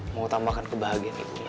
mengutamakan kebahagiaan ibunya